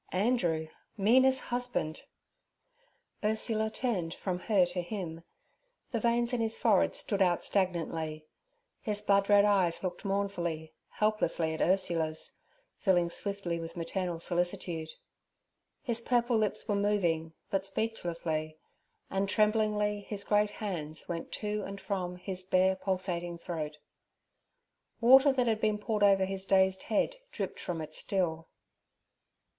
Andrew, Mina's husband! Ursula turned from her to him. The veins in his forehead stood out stagnantly; his blood red eyes looked mournfully, helplessly at Ursula's, filling swiftly with maternal solicitude. His purple lips were moving, but speechlessly, and tremblingly his great hands went to and from his bare, pulsating throat. Water that had been poured over his dazed head dripped from it still.